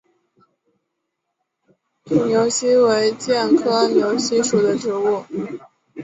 土牛膝为苋科牛膝属的植物。